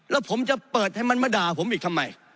แล้วผมจะเปิดให้มันมาด่าผมอีกทำไม